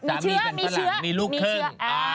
มีเชื้อมีลูกครึ่งฉามีถงมีฝรั่งอ่ามีเดือน